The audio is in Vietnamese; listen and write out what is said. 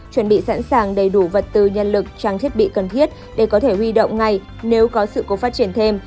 chuẩn bị sẵn sàng đầy đủ vật tư nhân lực trang thiết bị cần thiết để có thể huy động ngay nếu có sự cố phát triển thêm